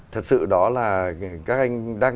thật sự đó là các anh đang